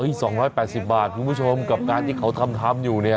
๒๘๐บาทคุณผู้ชมกับการที่เขาทำอยู่เนี่ย